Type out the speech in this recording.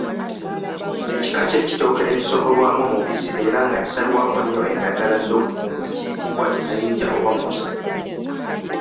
Ekika ky’ekitooke ekisogolwamu omubisi era nga kisalwako nnyo endagala z’okufumba kiyitibwa Kayinja oba Mmusa.